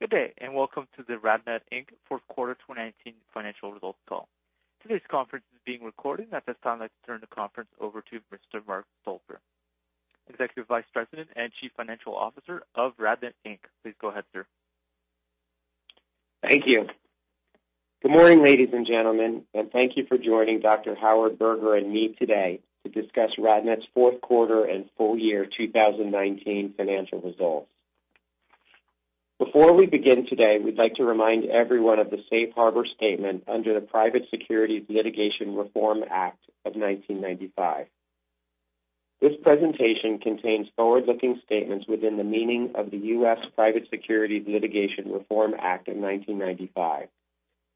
Good day, and welcome to the RadNet Inc. fourth quarter 2019 financial results call. Today's conference is being recorded. At this time, I'd like to turn the conference over to Mr. Mark Stolper, Executive Vice President and Chief Financial Officer of RadNet Inc. Please go ahead, sir. Thank you. Good morning, ladies and gentlemen, and thank you for joining Dr. Howard Berger and me today to discuss RadNet's fourth quarter and full year 2019 financial results. Before we begin today, we'd like to remind everyone of the safe harbor statement under the Private Securities Litigation Reform Act of 1995. This presentation contains forward-looking statements within the meaning of the U.S. Private Securities Litigation Reform Act of 1995.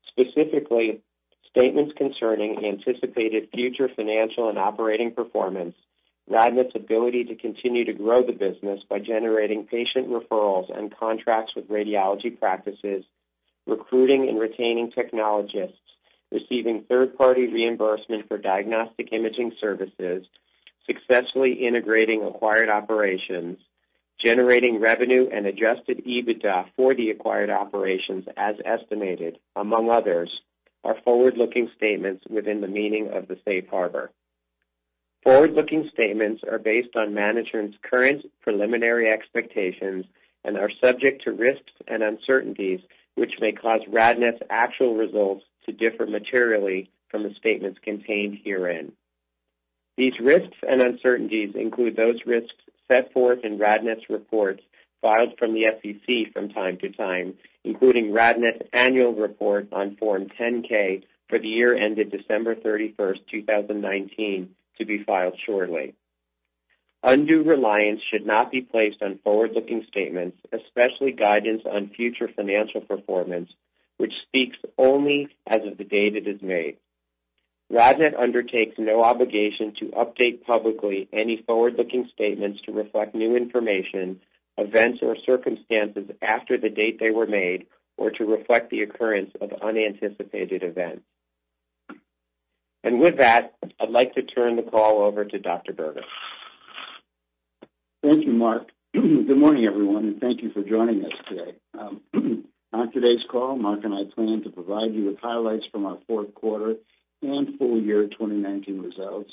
Specifically, statements concerning anticipated future financial and operating performance, RadNet's ability to continue to grow the business by generating patient referrals and contracts with radiology practices, recruiting and retaining technologists, receiving third-party reimbursement for diagnostic imaging services, successfully integrating acquired operations, generating revenue and adjusted EBITDA for the acquired operations as estimated, among others, are forward-looking statements within the meaning of the safe harbor. Forward-looking statements are based on management's current preliminary expectations and are subject to risks and uncertainties, which may cause RadNet's actual results to differ materially from the statements contained herein. These risks and uncertainties include those risks set forth in RadNet's reports filed from the SEC from time to time, including RadNet's annual report on Form 10-K for the year ended December 31st, 2019, to be filed shortly. Undue reliance should not be placed on forward-looking statements, especially guidance on future financial performance, which speaks only as of the date it is made. RadNet undertakes no obligation to update publicly any forward-looking statements to reflect new information, events, or circumstances after the date they were made, or to reflect the occurrence of unanticipated events. With that, I'd like to turn the call over to Dr. Berger. Thank you, Mark. Good morning, everyone, and thank you for joining us today. On today's call, Mark and I plan to provide you with highlights from our fourth quarter and full year 2019 results,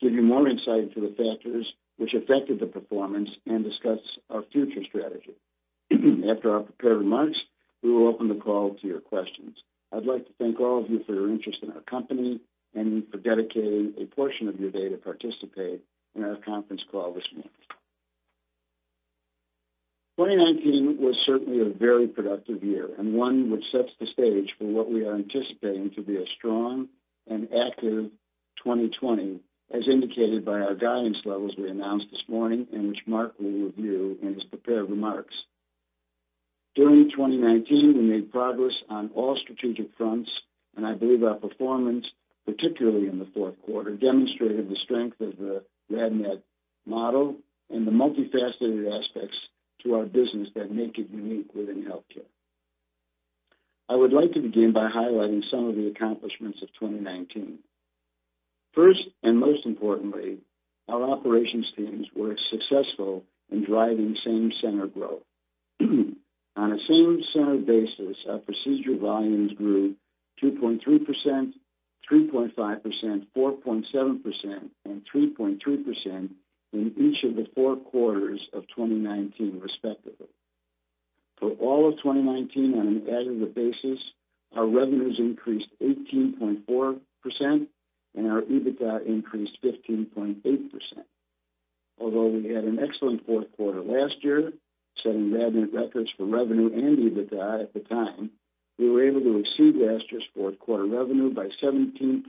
give you more insight into the factors which affected the performance, and discuss our future strategy. After our prepared remarks, we will open the call to your questions. I'd like to thank all of you for your interest in our company and for dedicating a portion of your day to participate in our conference call this morning. 2019 was certainly a very productive year and one which sets the stage for what we are anticipating to be a strong and active 2020, as indicated by our guidance levels we announced this morning, and which Mark will review in his prepared remarks. During 2019, we made progress on all strategic fronts, and I believe our performance, particularly in the fourth quarter, demonstrated the strength of the RadNet model and the multifaceted aspects to our business that make it unique within healthcare. I would like to begin by highlighting some of the accomplishments of 2019. First, and most importantly, our operations teams were successful in driving same-center growth. On a same-center basis, our procedure volumes grew 2.3%, 3.5%, 4.7%, and 3.2% in each of the four quarters of 2019, respectively. For all of 2019, on an aggregate basis, our revenues increased 18.4%, and our EBITDA increased 15.8%. Although we had an excellent fourth quarter last year, setting RadNet records for revenue and EBITDA at the time, we were able to exceed last year's fourth-quarter revenue by 17%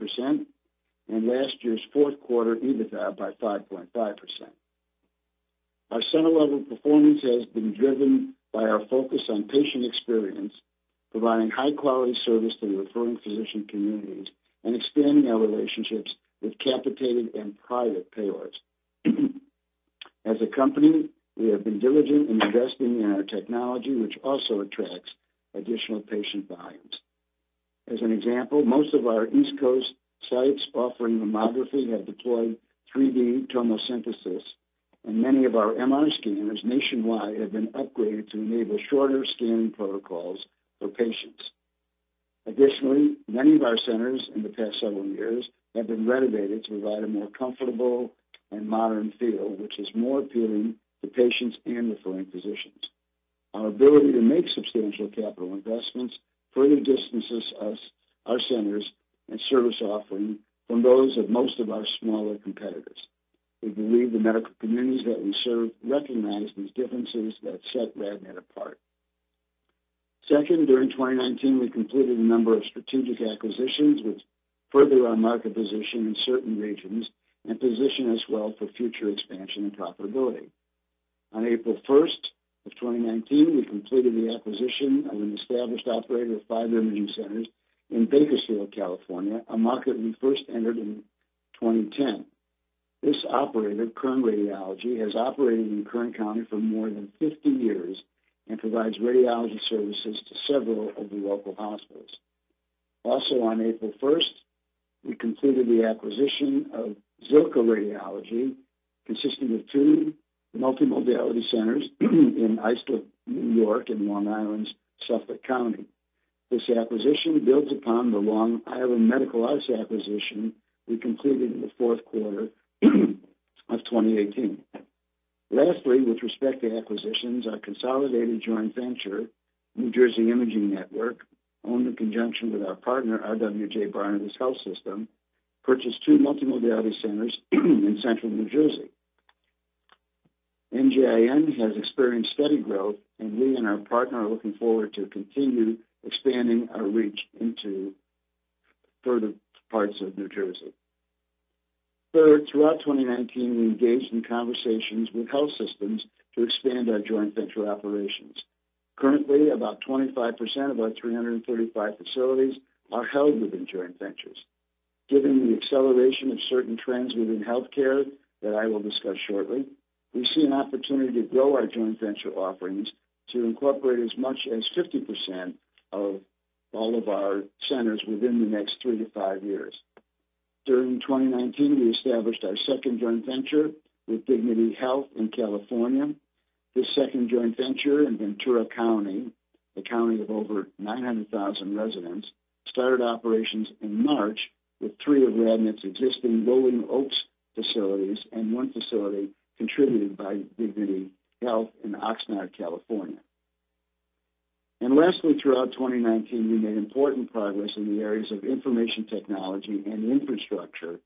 and last year's fourth-quarter EBITDA by 5.5%. Our center level performance has been driven by our focus on patient experience, providing high-quality service to the referring physician communities, and expanding our relationships with capitated and private payers. As a company, we have been diligent in investing in our technology, which also attracts additional patient volumes. As an example, most of our East Coast sites offering mammography have deployed 3D tomosynthesis, and many of our MR scanners nationwide have been upgraded to enable shorter scanning protocols for patients. Additionally, many of our centers in the past several years have been renovated to provide a more comfortable and modern feel, which is more appealing to patients and referring physicians. Our ability to make substantial capital investments further distances us, our centers, and service offering from those of most of our smaller competitors. We believe the medical communities that we serve recognize these differences that set RadNet apart. Second, during 2019, we completed a number of strategic acquisitions which further our market position in certain regions and position us well for future expansion and profitability. On April 1st of 2019, we completed the acquisition of an established operator of five imaging centers in Bakersfield, California, a market we first entered in 2010. This operator, Kern Radiology, has operated in Kern County for more than 50 years and provides radiology services to several of the local hospitals. Also on April 1st, we completed the acquisition of Zilker Radiology, consisting of two multimodality centers in Islip, New York, and Long Island's Suffolk County. This acquisition builds upon the Long Island Medical Office acquisition we completed in the fourth quarter of 2018. Lastly, with respect to acquisitions, our consolidated joint venture, New Jersey Imaging Network, owned in conjunction with our partner, RWJBarnabas Health, purchased two multimodality centers in central New Jersey. NJIN has experienced steady growth, and we and our partner are looking forward to continue expanding our reach into further parts of New Jersey. Third, throughout 2019, we engaged in conversations with health systems to expand our joint venture operations. Currently, about 25% of our 335 facilities are held within joint ventures. Given the acceleration of certain trends within healthcare that I will discuss shortly, we see an opportunity to grow our joint venture offerings to incorporate as much as 50% of all of our centers within the next three to five years. During 2019, we established our second joint venture with Dignity Health in California. This second joint venture in Ventura County, a county of over 900,000 residents, started operations in March with three of RadNet's existing Rolling Oaks facilities and one facility contributed by Dignity Health in Oxnard, California. Lastly, throughout 2019, we made important progress in the areas of information technology and infrastructure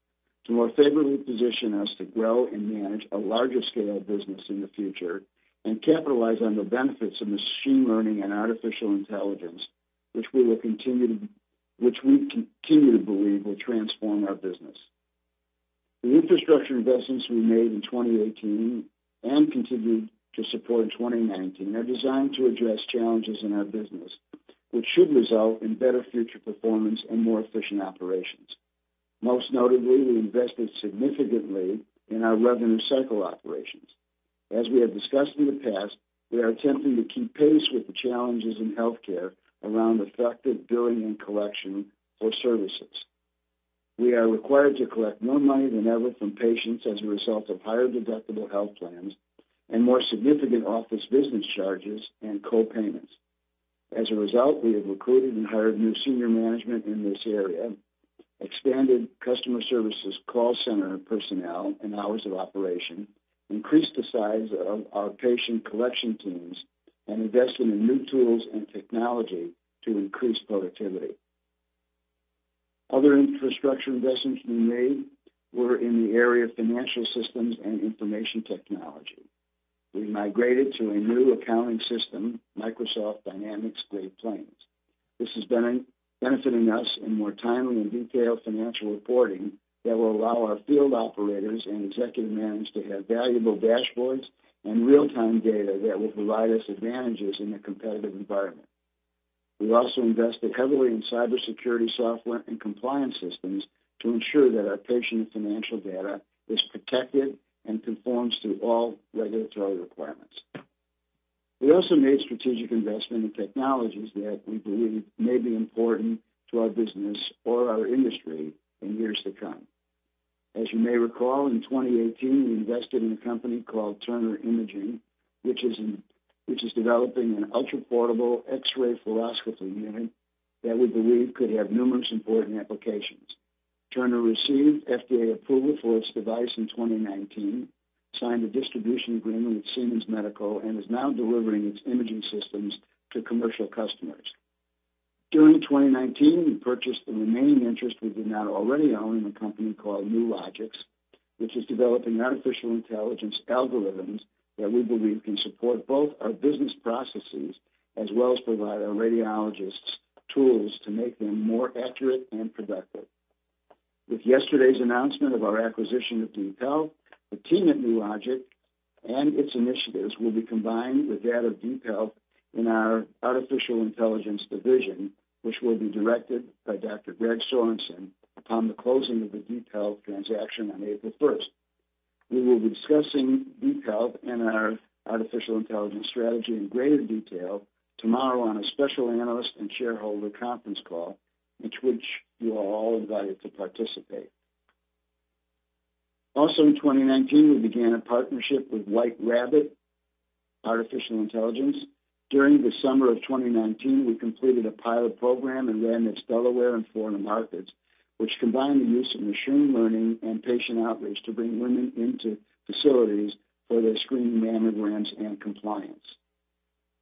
to more favorably position us to grow and manage a larger scale of business in the future and capitalize on the benefits of machine learning and artificial intelligence, which we continue to believe will transform our business. The infrastructure investments we made in 2018, and continued to support in 2019, are designed to address challenges in our business, which should result in better future performance and more efficient operations. Most notably, we invested significantly in our revenue cycle operations. As we have discussed in the past, we are attempting to keep pace with the challenges in healthcare around effective billing and collection for services. We are required to collect more money than ever from patients as a result of higher deductible health plans and more significant office business charges and co-payments. As a result, we have recruited and hired new senior management in this area, expanded customer services call center personnel and hours of operation, increased the size of our patient collection teams, and invested in new tools and technology to increase productivity. Other infrastructure investments we made were in the area of financial systems and information technology. We migrated to a new accounting system, Microsoft Dynamics Great Plains. This has been benefiting us in more timely and detailed financial reporting that will allow our field operators and executive management to have valuable dashboards and real-time data that will provide us advantages in a competitive environment. We also invested heavily in cybersecurity software and compliance systems to ensure that our patient financial data is protected and conforms to all regulatory requirements. We also made strategic investment in technologies that we believe may be important to our business or our industry in years to come. As you may recall, in 2018, we invested in a company called Turner Imaging, which is developing an ultraportable X-ray fluoroscopy unit that we believe could have numerous important applications. Turner received FDA approval for its device in 2019, signed a distribution agreement with Siemens Healthineers, and is now delivering its imaging systems to commercial customers. During 2019, we purchased the remaining interest we did not already own in a company called Nulogix, which is developing artificial intelligence algorithms that we believe can support both our business processes as well as provide our radiologists tools to make them more accurate and productive. With yesterday's announcement of our acquisition of DeepHealth, the team at Nulogix and its initiatives will be combined with that of DeepHealth in our artificial intelligence division, which will be directed by Dr. Greg Sorenson upon the closing of the DeepHealth transaction on April 1st. We will be discussing DeepHealth and our artificial intelligence strategy in greater detail tomorrow on a special analyst and shareholder conference call, which you are all invited to participate. In 2019, we began a partnership with Whiterabbit Artificial Intelligence. During the summer of 2019, we completed a pilot program in RadNet's Delaware and Florida markets, which combined the use of machine learning and patient outreach to bring women into facilities for their screening mammograms and compliance.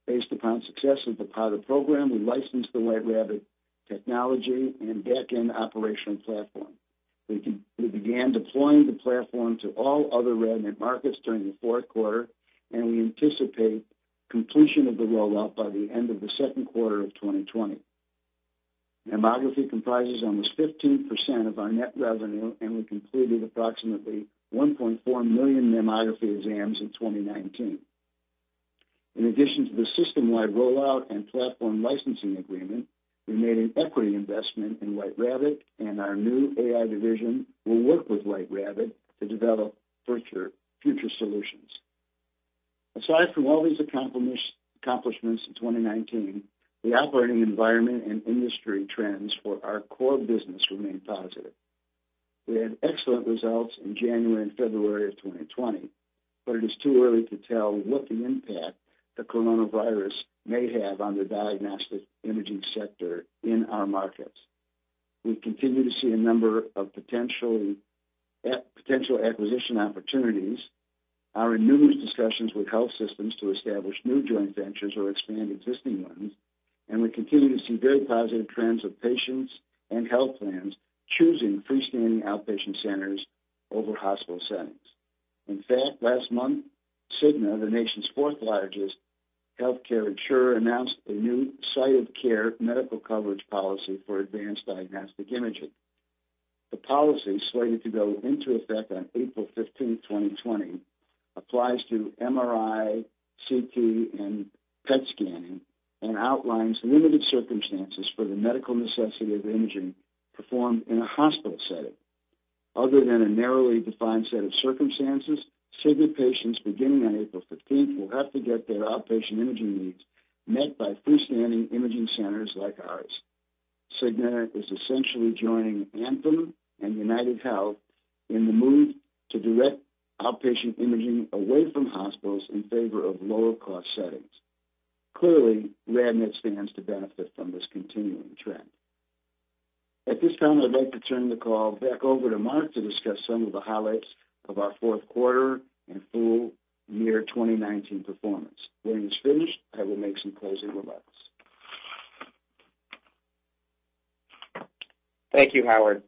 Based upon success with the pilot program, we licensed the Whiterabbit technology and back-end operational platform. We began deploying the platform to all other RadNet markets during the fourth quarter, and we anticipate completion of the rollout by the end of the second quarter of 2020. Mammography comprises almost 15% of our net revenue, and we completed approximately 1.4 million mammography exams in 2019. In addition to the system-wide rollout and platform licensing agreement, we made an equity investment in Whiterabbit, and our new AI division will work with Whiterabbit to develop future solutions. Aside from all these accomplishments in 2019, the operating environment and industry trends for our core business remain positive. We had excellent results in January and February of 2020, but it is too early to tell what impact the coronavirus may have on the diagnostic imaging sector in our markets. We continue to see a number of potential acquisition opportunities. Our numerous discussions with health systems to establish new joint ventures or expand existing ones, and we continue to see very positive trends of patients and health plans choosing freestanding outpatient centers over hospital settings. In fact, last month, Cigna, the nation's fourth largest healthcare insurer, announced a new site of care medical coverage policy for advanced diagnostic imaging. The policy, slated to go into effect on April 15th, 2020, applies to MRI, CT, and PET scanning and outlines limited circumstances for the medical necessity of imaging performed in a hospital setting. Other than a narrowly defined set of circumstances, Cigna patients beginning on April 15th will have to get their outpatient imaging needs met by freestanding imaging centers like ours. Cigna is essentially joining Anthem and UnitedHealth in the move to direct outpatient imaging away from hospitals in favor of lower-cost settings. Clearly, RadNet stands to benefit from this continuing trend. At this time, I'd like to turn the call back over to Mark to discuss some of the highlights of our fourth quarter and full year 2019 performance. When he's finished, I will make some closing remarks. Thank you, Howard.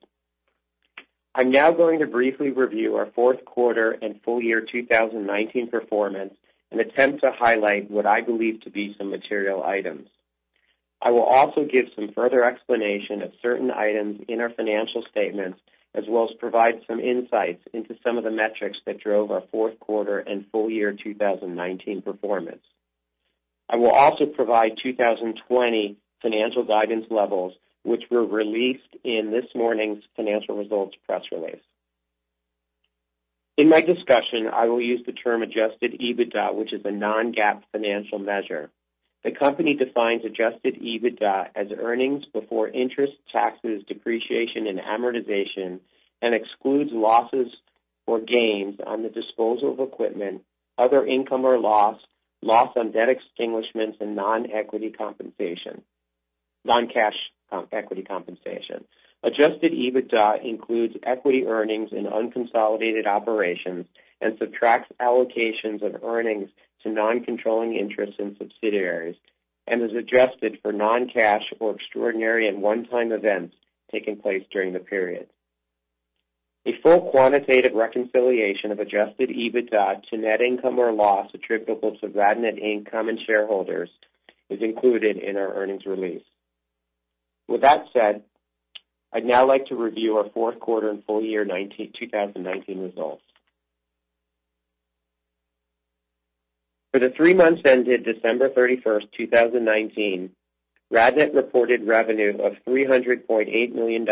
I'm now going to briefly review our fourth quarter and full year 2019 performance and attempt to highlight what I believe to be some material items. I will also give some further explanation of certain items in our financial statements, as well as provide some insights into some of the metrics that drove our fourth quarter and full year 2019 performance. I will also provide 2020 financial guidance levels, which were released in this morning's financial results press release. In my discussion, I will use the term adjusted EBITDA, which is a non-GAAP financial measure. The company defines adjusted EBITDA as earnings before interest, taxes, depreciation, and amortization, and excludes losses or gains on the disposal of equipment, other income or loss on debt extinguishments, and non-cash equity compensation. Adjusted EBITDA includes equity earnings in unconsolidated operations and subtracts allocations of earnings to non-controlling interests in subsidiaries and is adjusted for non-cash or extraordinary and one-time events taking place during the period. A full quantitative reconciliation of adjusted EBITDA to net income or loss attributable to RadNet income and shareholders is included in our earnings release. With that said, I'd now like to review our fourth quarter and full year 2019 results. For the three months ended December 31st, 2019, RadNet reported revenue of $300.8 million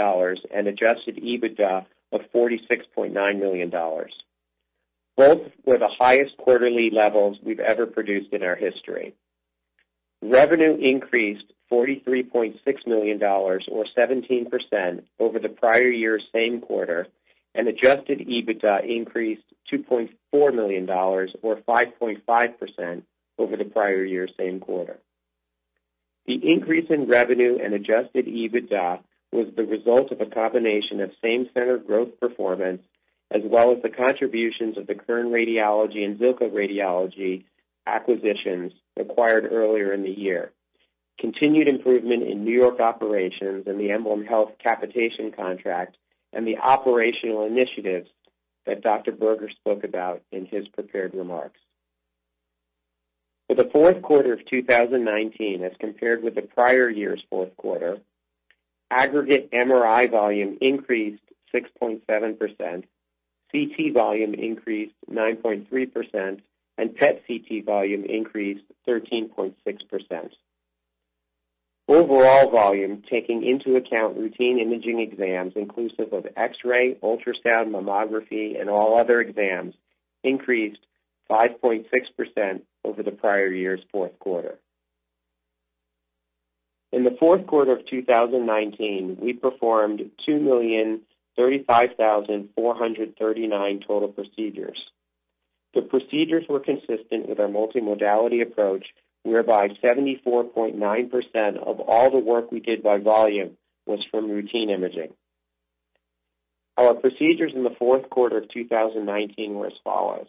and adjusted EBITDA of $46.9 million. Both were the highest quarterly levels we've ever produced in our history. Revenue increased $43.6 million or 17% over the prior year's same quarter, and adjusted EBITDA increased $2.4 million or 5.5% over the prior year's same quarter. The increase in revenue and adjusted EBITDA was the result of a combination of same-center growth performance as well as the contributions of the Kern Radiology and Zilkha Radiology acquisitions acquired earlier in the year, continued improvement in New York operations and the EmblemHealth capitation contract, and the operational initiatives that Dr. Berger spoke about in his prepared remarks. For the fourth quarter of 2019 as compared with the prior year's fourth quarter, aggregate MRI volume increased 6.7%, CT volume increased 9.3%, and PET CT volume increased 13.6%. Overall volume, taking into account routine imaging exams inclusive of X-ray, ultrasound, mammography, and all other exams, increased 5.6% over the prior year's fourth quarter. In the fourth quarter of 2019, we performed 2,035,439 total procedures. The procedures were consistent with our multimodality approach, whereby 74.9% of all the work we did by volume was from routine imaging. Our procedures in the fourth quarter of 2019 were as follows: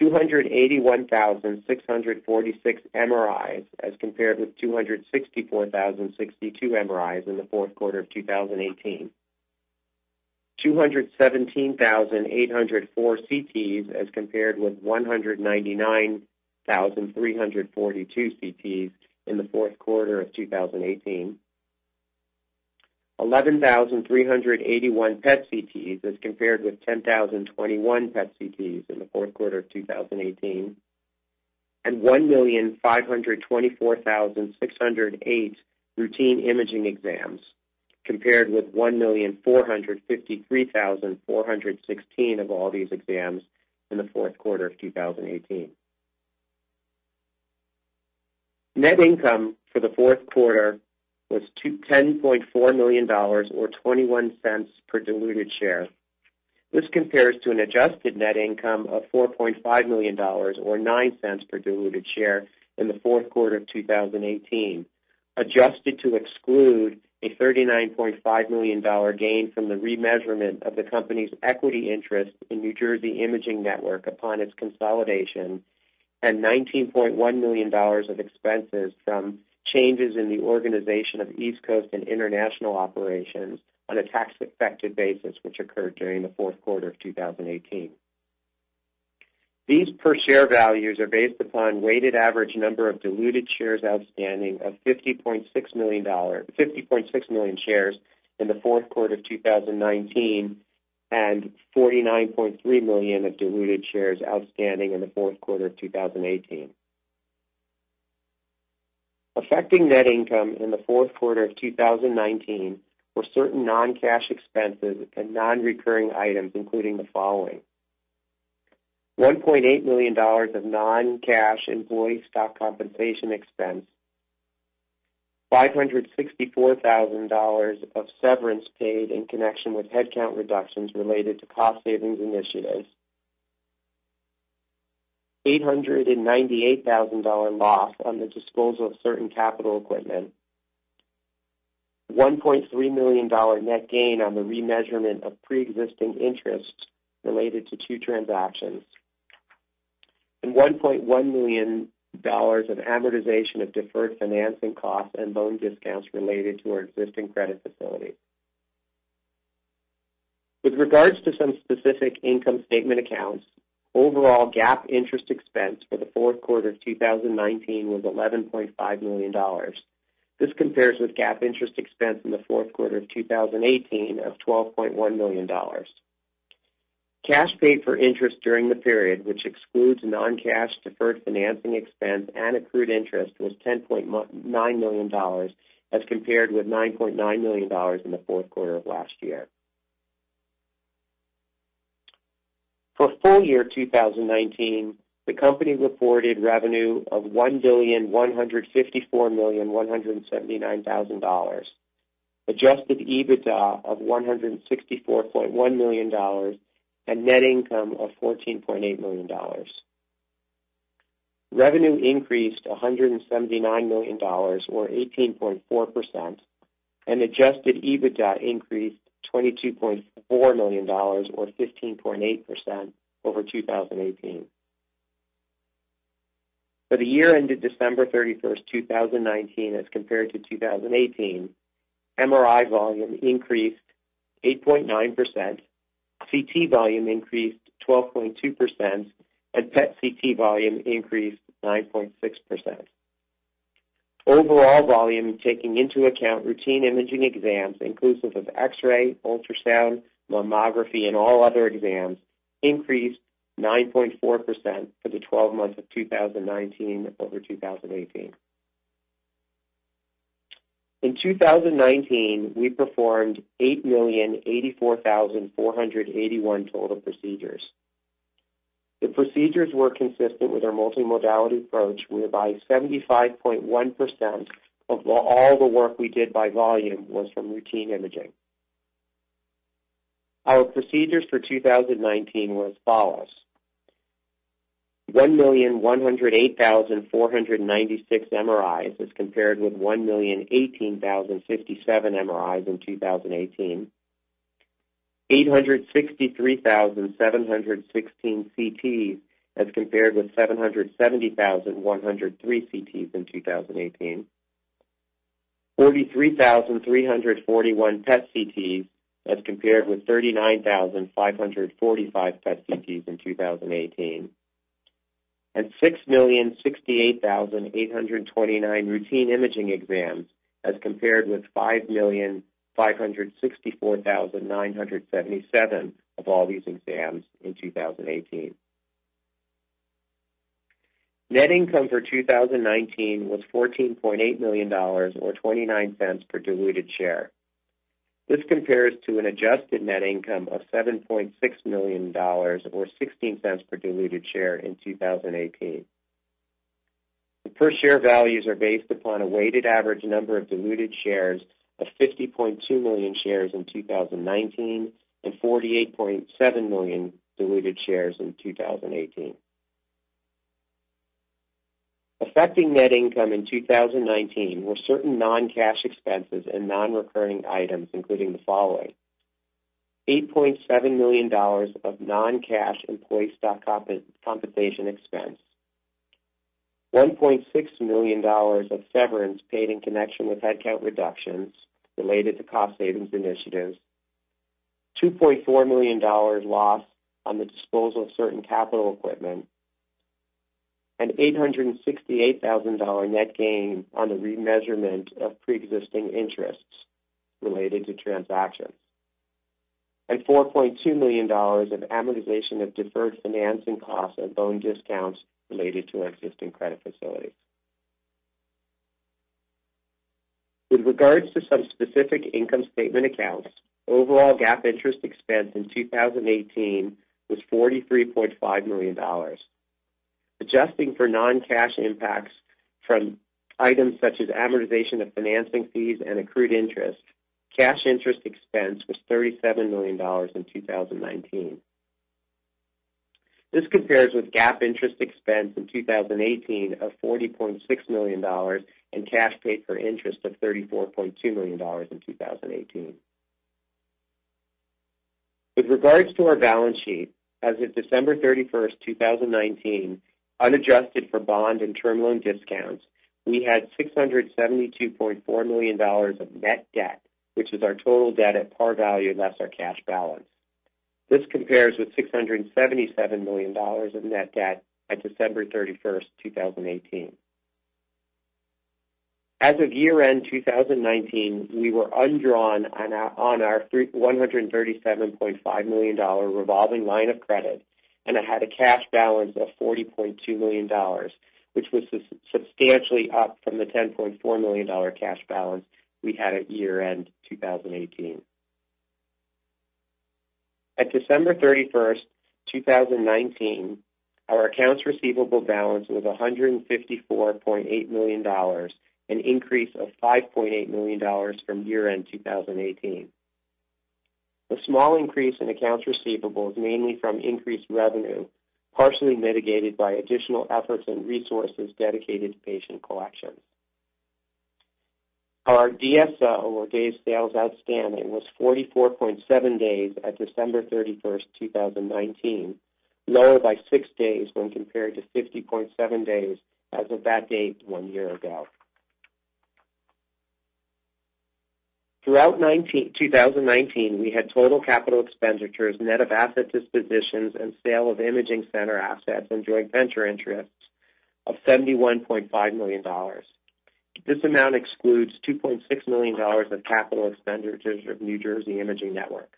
281,646 MRIs as compared with 264,062 MRIs in the fourth quarter of 2018, 217,804 CTs as compared with 199,342 CTs in the fourth quarter of 2018, 11,381 PET CTs as compared with 10,021 PET CTs in the fourth quarter of 2018. 1,524,608 routine imaging exams, compared with 1,453,416 of all these exams in the fourth quarter of 2018. Net income for the fourth quarter was $10.4 million, or $0.21 per diluted share. This compares to an adjusted net income of $4.5 million or $0.09 per diluted share in the fourth quarter of 2018, adjusted to exclude a $39.5 million gain from the remeasurement of the company's equity interest in New Jersey Imaging Network upon its consolidation, and $19.1 million of expenses from changes in the organization of East Coast and international operations on a tax-affected basis, which occurred during the fourth quarter of 2018. These per share values are based upon weighted average number of diluted shares outstanding of 50.6 million shares in the fourth quarter of 2019, and 49.3 million of diluted shares outstanding in the fourth quarter of 2018. Affecting net income in the fourth quarter of 2019 were certain non-cash expenses and non-recurring items, including the following: $1.8 million of non-cash employee stock compensation expense, $564,000 of severance paid in connection with headcount reductions related to cost savings initiatives, $898,000 loss on the disposal of certain capital equipment, $1.3 million net gain on the remeasurement of preexisting interest related to two transactions, GAAP interest expense in 2018 was $43.5 million. Adjusting for non-cash impacts from items such as amortization of financing fees and accrued interest, cash interest expense was $37 million in 2019. This compares with GAAP interest expense in 2018 of $40.6 million and cash paid for interest of $34.2 million in 2018. With regards to our balance sheet, as of December 31st, 2019, unadjusted for bond and term loan discounts, we had $672.4 million of net debt, which is our total debt at par value less our cash balance. This compares with $677 million in net debt at December 31st, 2018. As of year-end 2019, we were undrawn on our $137.5 million revolving line of credit and it had a cash balance of $40.2 million, which was substantially up from the $10.4 million cash balance we had at year-end 2018. At December 31st, 2019, our accounts receivable balance was $154.8 million, an increase of $5.8 million from year-end 2018. The small increase in accounts receivable is mainly from increased revenue, partially mitigated by additional efforts and resources dedicated to patient collections. Our DSO, or days sales outstanding, was 44.7 days at December 31st, 2019, lower by six days when compared to 50.7 days as of that date one year ago. Throughout 2019, we had total capital expenditures, net of asset dispositions and sale of imaging center assets and joint venture interests of $71.5 million. This amount excludes $2.6 million of capital expenditures of New Jersey Imaging Network.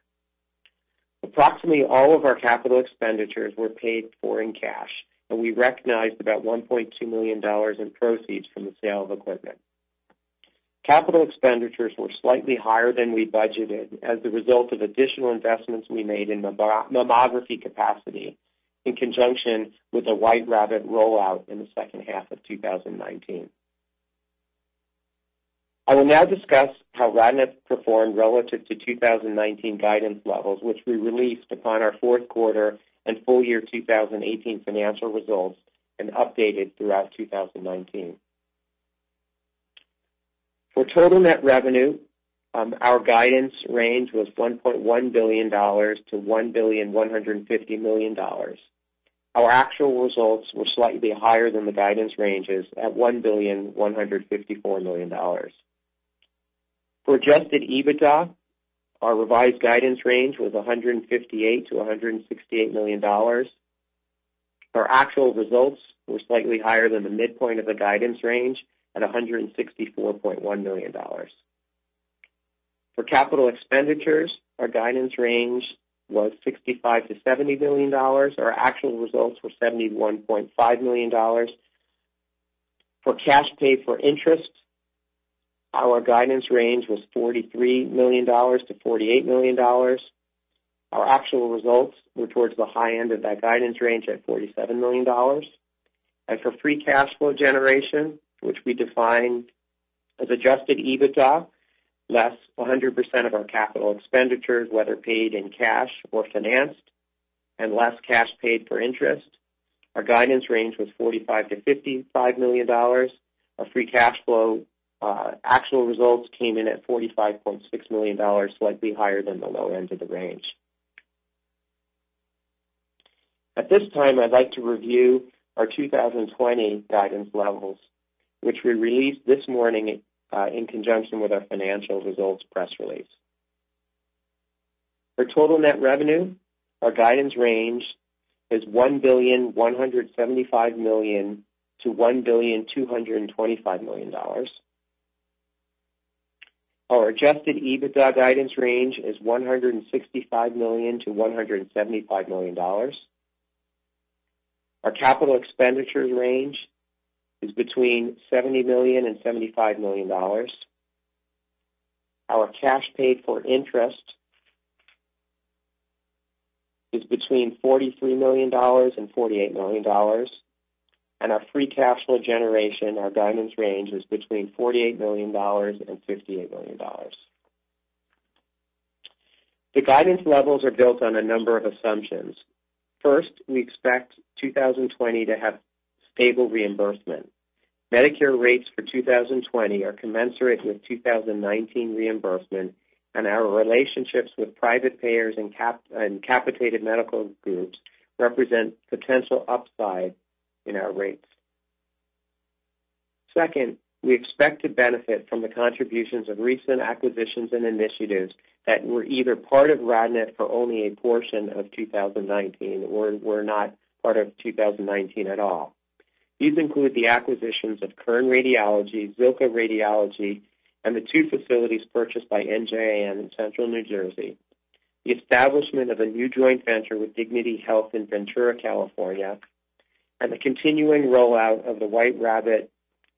Approximately all of our capital expenditures were paid for in cash, and we recognized about $1.2 million in proceeds from the sale of equipment. Capital expenditures were slightly higher than we budgeted as a result of additional investments we made in mammography capacity in conjunction with the Whiterabbit rollout in the second half of 2019. I will now discuss how RadNet performed relative to 2019 guidance levels, which we released upon our fourth quarter and full year 2018 financial results and updated throughout 2019. For total net revenue, our guidance range was $1.1 billion-$1.150 billion. Our actual results were slightly higher than the guidance ranges at $1.154 billion. For adjusted EBITDA, our revised guidance range was $158 million-$168 million. Our actual results were slightly higher than the midpoint of the guidance range at $164.1 million. For capital expenditures, our guidance range was $65 million-$70 million. Our actual results were $71.5 million. For cash paid for interest, our guidance range was $43 million-$48 million. Our actual results were towards the high end of that guidance range at $47 million. For free cash flow generation, which we define as adjusted EBITDA, less 100% of our capital expenditures, whether paid in cash or financed, and less cash paid for interest, our guidance range was $45 million-$55 million. Our free cash flow actual results came in at $45.6 million, slightly higher than the low end of the range. At this time, I'd like to review our 2020 guidance levels, which we released this morning in conjunction with our financial results press release. For total net revenue, our guidance range is $1.175 billion-$1.225 billion. Our adjusted EBITDA guidance range is $165 million-$175 million. Our capital expenditures range is between $70 million and $75 million. Our cash paid for interest is between $43 million and $48 million. Our free cash flow generation, our guidance range is between $48 million and $58 million. The guidance levels are built on a number of assumptions. First, we expect 2020 to have stable reimbursement. Medicare rates for 2020 are commensurate with 2019 reimbursement, and our relationships with private payers and capitated medical groups represent potential upside in our rates. Second, we expect to benefit from the contributions of recent acquisitions and initiatives that were either part of RadNet for only a portion of 2019 or were not part of 2019 at all. These include the acquisitions of Kern Radiology, Zilkha Radiology, and the two facilities purchased by NJIN in Central New Jersey, the establishment of a new joint venture with Dignity Health in Ventura, California, and the continuing rollout of the Whiterabbit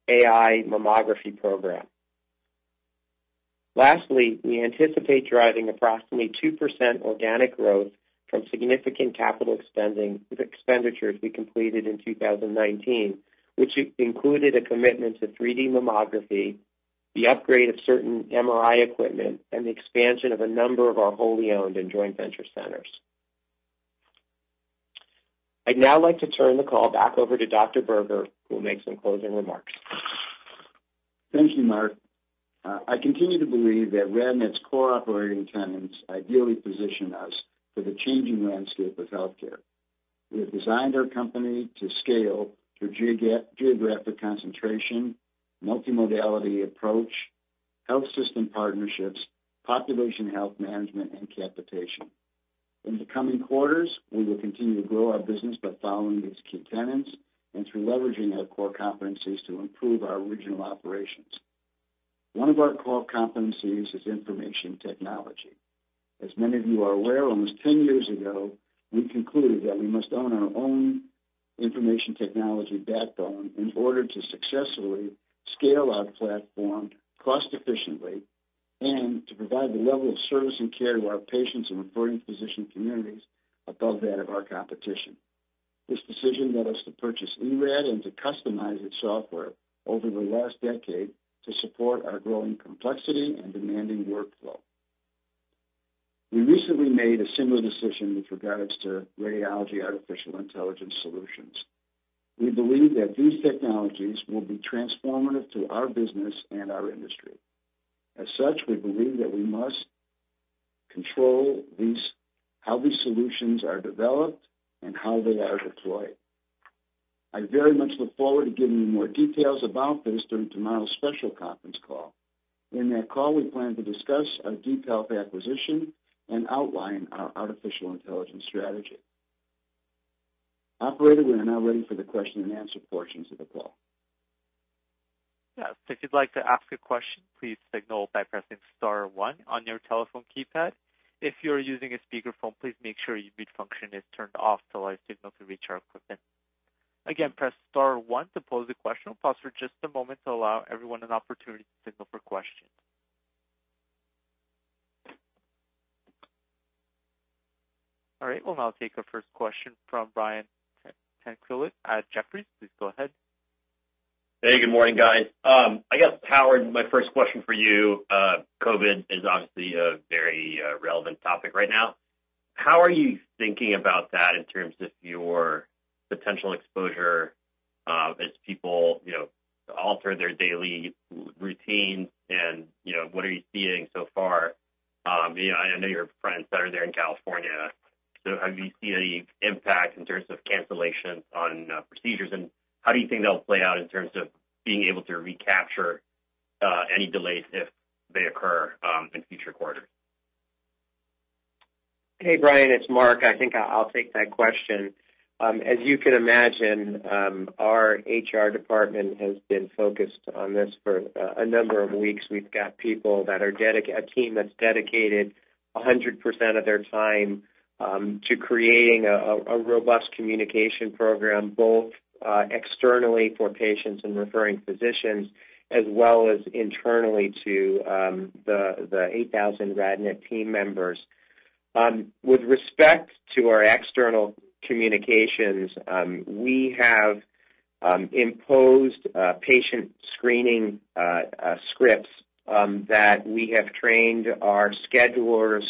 AI mammography program. Lastly, we anticipate driving approximately 2% organic growth from significant capital spending with expenditures we completed in 2019, which included a commitment to 3D mammography, the upgrade of certain MRI equipment, and the expansion of a number of our wholly owned and joint venture centers. I'd now like to turn the call back over to Dr. Berger, who will make some closing remarks. Thank you, Mark. I continue to believe that RadNet's core operating tenets ideally position us for the changing landscape of healthcare. We have designed our company to scale through geographic concentration, multimodality approach, health system partnerships, population health management, and capitation. In the coming quarters, we will continue to grow our business by following these key tenets and through leveraging our core competencies to improve our regional operations. One of our core competencies is information technology. As many of you are aware, almost 10 years ago, we concluded that we must own our own information technology backbone in order to successfully scale our platform cost efficiently and to provide the level of service and care to our patients and referring physician communities above that of our competition. This decision led us to purchase eRAD and to customize its software over the last decade to support our growing complexity and demanding workflow. We recently made a similar decision with regards to radiology artificial intelligence solutions. We believe that these technologies will be transformative to our business and our industry. As such, we believe that we must control how these solutions are developed and how they are deployed. I very much look forward to giving you more details about this during tomorrow's special conference call. In that call, we plan to discuss our DeepHealth acquisition and outline our artificial intelligence strategy. Operator, we are now ready for the question and answer portions of the call. Yes, if you'd like to ask a question, please signal by pressing star one on your telephone keypad. If you're using a speakerphone, please make sure your mute function is turned off to allow your signal to reach our equipment. Again, press star one to pose a question. We'll pause for just a moment to allow everyone an opportunity to signal for questions. All right, we'll now take our first question from Brian Tanquilut at Jefferies. Please go ahead. Hey, good morning, guys. I guess, Howard, my first question for you, COVID is obviously a very relevant topic right now. How are you thinking about that in terms of your potential exposure as people alter their daily routine and what are you seeing so far? I know you have friends that are there in California. Have you seen any impact in terms of cancellations on procedures, and how do you think that'll play out in terms of being able to recapture any delays if they occur in future quarters? Hey, Brian, it's Mark. I think I'll take that question. As you can imagine, our HR department has been focused on this for a number of weeks. We've got a team that's dedicated 100% of their time to creating a robust communication program, both externally for patients and referring physicians, as well as internally to the 8,000 RadNet team members. With respect to our external communications, we have imposed patient screening scripts that we have trained our schedulers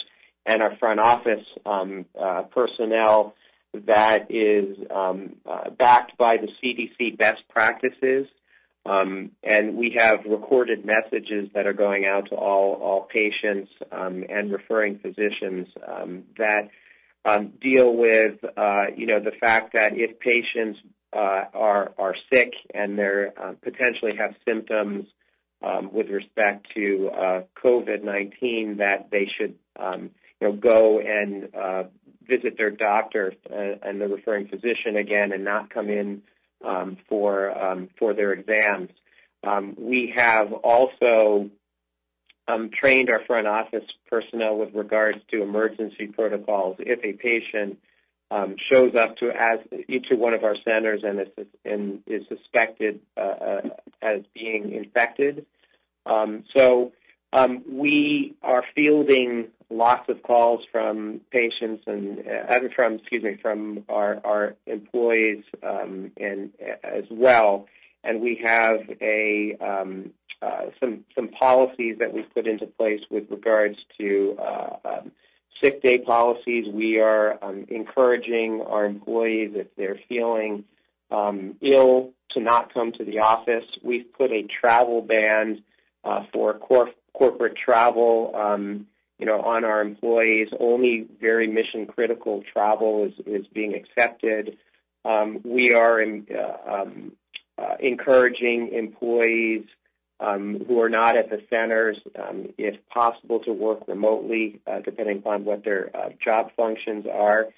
and our front office personnel that is backed by the CDC best practices. We have recorded messages that are going out to all patients and referring physicians that deal with the fact that if patients are sick and they potentially have symptoms with respect to COVID-19, that they should go and visit their doctor and the referring physician again and not come in for their exams. We have also trained our front office personnel with regards to emergency protocols if a patient shows up to each one of our centers and is suspected as being infected. We are fielding lots of calls from patients and from our employees as well, and we have some policies that we've put into place with regards to sick day policies. We are encouraging our employees, if they're feeling ill, to not come to the office. We've put a travel ban for corporate travel on our employees. Only very mission-critical travel is being accepted. We are encouraging employees Who are not at the centers, if possible, to work remotely, depending upon what their job functions are.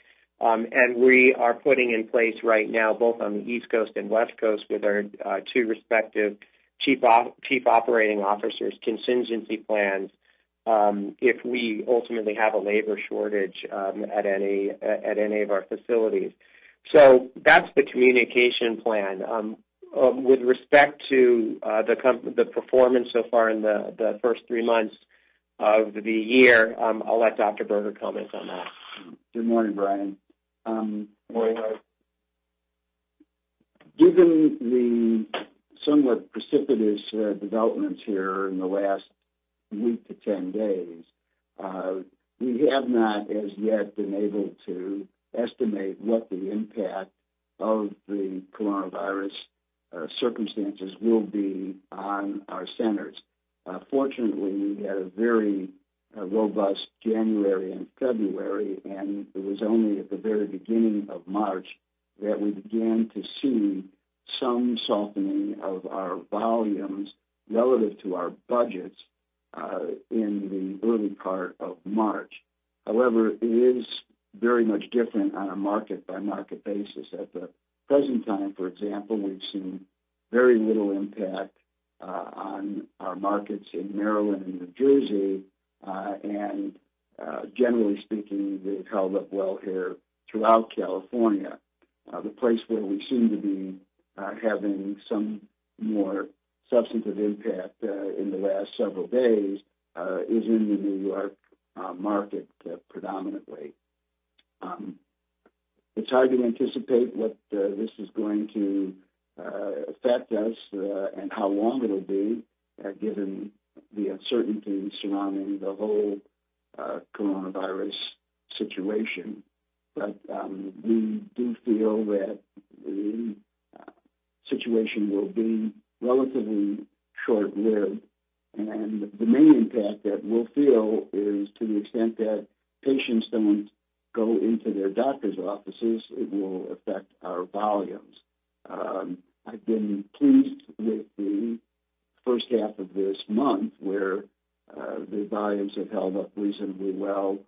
We are putting in place right now, both on the East Coast and West Coast with our two respective Chief Operating Officers, contingency plans, if we ultimately have a labor shortage at any of our facilities. That's the communication plan. With respect to the performance so far in the first three months of the year, I'll let Dr. Berger comment on that. Good morning, Brian Tanquilut. Given the somewhat precipitous developments here in the last week to 10 days, we have not as yet been able to estimate what the impact of the coronavirus circumstances will be on our centers. Fortunately, we had a very robust January and February. It was only at the very beginning of March that we began to see some softening of our volumes relative to our budgets in the early part of March. It is very much different on a market-by-market basis. At the present time, for example, we've seen very little impact on our markets in Maryland and New Jersey. Generally speaking, they've held up well here throughout California. The place where we seem to be having some more substantive impact in the last several days is in the New York market predominantly. It's hard to anticipate what this is going to affect us, and how long it'll be, given the uncertainty surrounding the whole coronavirus situation. We do feel that the situation will be relatively short-lived, and the main impact that we'll feel is to the extent that patients don't go into their doctor's offices, it will affect our volumes. I've been pleased with the first half of this month, where the volumes have held up reasonably well,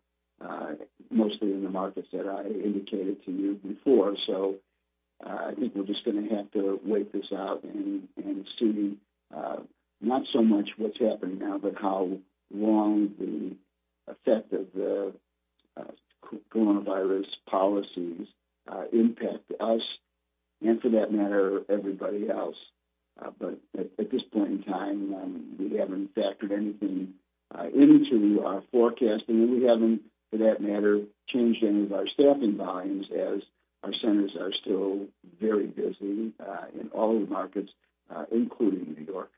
mostly in the markets that I indicated to you before. I think we're just going to have to wait this out and see, not so much what's happening now, but how long the effect of the coronavirus policies impact us, and for that matter, everybody else. At this point in time, we haven't factored anything into our forecasting, and we haven't, for that matter, changed any of our staffing volumes as our centers are still very busy in all of the markets, including New York.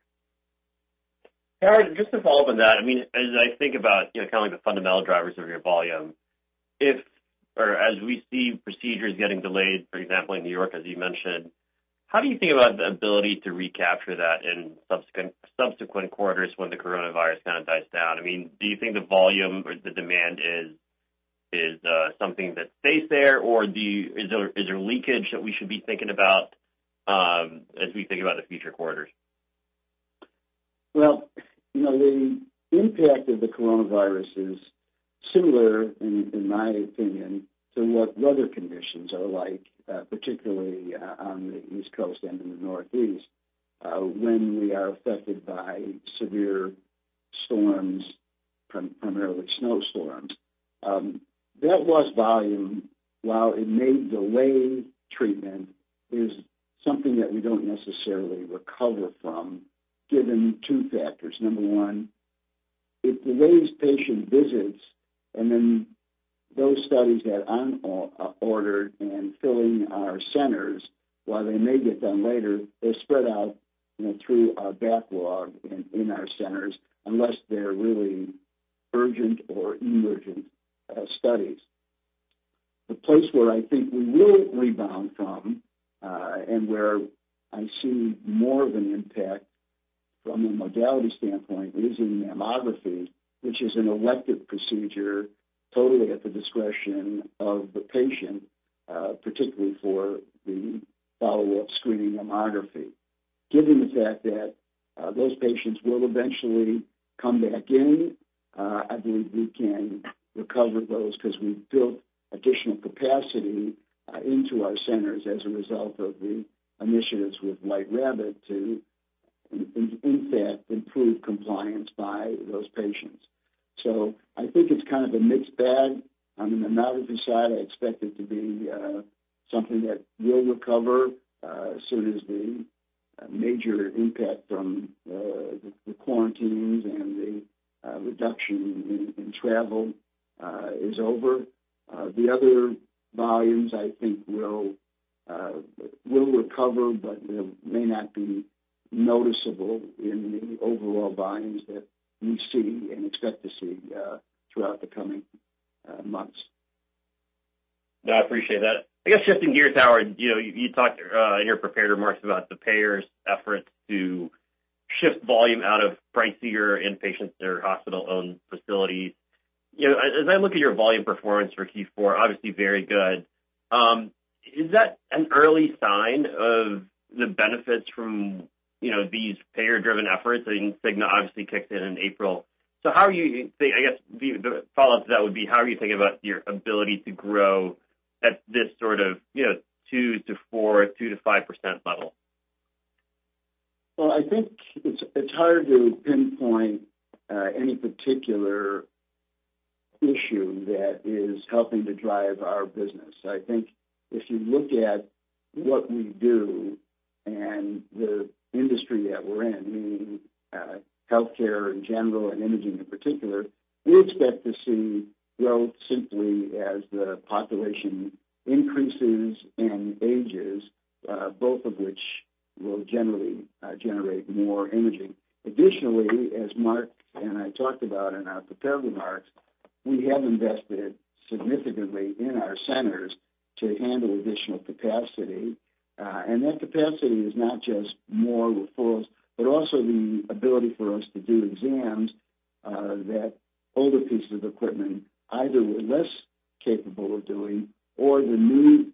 Howard, just to follow up on that, as I think about the fundamental drivers of your volume, as we see procedures getting delayed, for example, in New York, as you mentioned, how do you think about the ability to recapture that in subsequent quarters when the coronavirus kind of dies down? Do you think the volume or the demand is something that stays there, or is there leakage that we should be thinking about as we think about the future quarters? The impact of the coronavirus is similar, in my opinion, to what weather conditions are like, particularly on the East Coast and in the Northeast, when we are affected by severe storms, primarily snow storms. That lost volume, while it may delay treatment, is something that we don't necessarily recover from, given two factors. Number one, it delays patient visits, and then those studies that aren't ordered and filling our centers, while they may get done later, they're spread out through a backlog in our centers, unless they're really urgent or emergent studies. The place where I think we will rebound from, and where I see more of an impact from a modality standpoint, is in mammography, which is an elective procedure totally at the discretion of the patient, particularly for the follow-up screening mammography. Given the fact that those patients will eventually come back in, I believe we can recover those because we've built additional capacity into our centers as a result of the initiatives with Whiterabbit to, in fact, improve compliance by those patients. I think it's kind of a mixed bag. On the mammography side, I expect it to be something that will recover as soon as the major impact from the quarantines and the reduction in travel is over. The other volumes, I think, will recover, but may not be noticeable in the overall volumes that we see and expect to see throughout the coming months. No, I appreciate that. I guess shifting gears, Howard, you talked in your prepared remarks about the payers' efforts to shift volume out of pricier inpatient center hospital-owned facilities. As I look at your volume performance for Q4, obviously very good. Is that an early sign of the benefits from these payer-driven efforts? I think Cigna obviously kicks in in April. I guess the follow-up to that would be, how are you thinking about your ability to grow at this sort of 2%-4%, 2%-5% level? Well, I think it's hard to pinpoint any particular issue that is helping to drive our business. I think if you look at what we do and the industry that we're in, meaning healthcare in general and imaging in particular, we expect to see growth simply as the population increases and ages, both of which will generally generate more imaging. Additionally, as Mark and I talked about in our prepared remarks, we have invested significantly in our centers to handle additional capacity. That capacity is not just more referrals, but also the ability for us to do exams that older pieces of equipment either were less capable of doing, or the new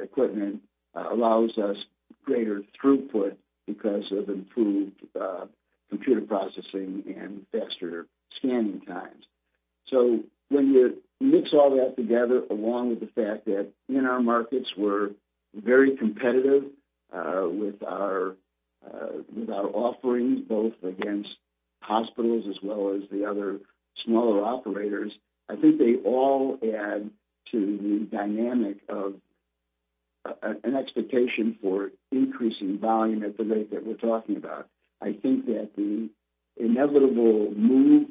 equipment allows us greater throughput because of improved computer processing and faster scanning times. When you mix all that together, along with the fact that in our markets, we're very competitive with our offerings, both against hospitals as well as the other smaller operators, I think they all add to the dynamic of an expectation for increasing volume at the rate that we're talking about. I think that the inevitable move